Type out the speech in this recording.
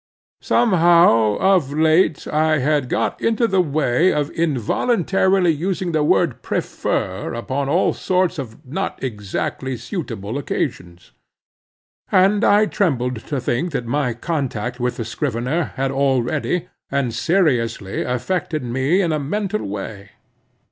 Somehow, of late I had got into the way of involuntarily using this word "prefer" upon all sorts of not exactly suitable occasions. And I trembled to think that my contact with the scrivener had already and seriously affected me in a mental way.